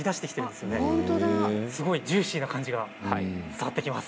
すごいジューシーな感じが伝わってきます。